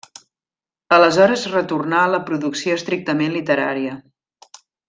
Aleshores retornà a la producció estrictament literària.